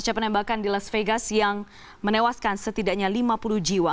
pasca penembakan di las vegas yang menewaskan setidaknya lima puluh jiwa